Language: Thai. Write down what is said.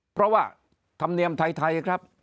เพราะว่าธรรมเนียมไทยครับ